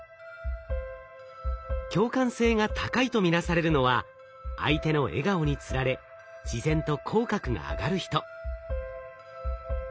共感性が高いと見なされるのは相手の笑顔につられ自然と口角が上がる人。